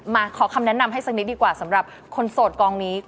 ขอคำแนะนำให้สักนิดดีกว่าสำหรับคนโสดกองนี้